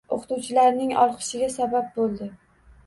O‘qituvchilarning olqishiga sabab bo‘ldi.